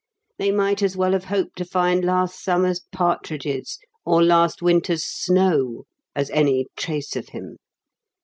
They might as well have hoped to find last summer's partridges or last winter's snow as any trace of him.